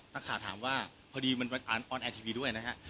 นักขาดถามว่าพอดีมันมันเนื่อยด้วยนะฮะ